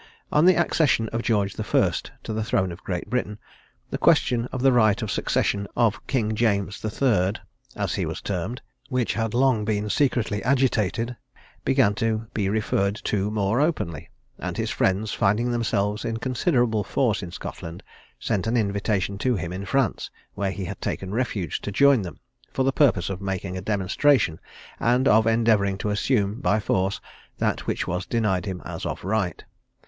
On the accession of George the First to the throne of Great Britain, the question of the right of succession of King James the Third, as he was termed, which had long been secretly agitated, began to be referred to more openly; and his friends, finding themselves in considerable force in Scotland, sent an invitation to him in France, where he had taken refuge, to join them, for the purpose of making a demonstration, and of endeavouring to assume by force, that which was denied him as of right.